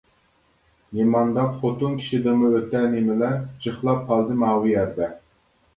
نېمانداق خوتۇن كىشىدىنمۇ ئۆتە نېمىلەر جىقلاپ قالدى ماۋۇ يەردە.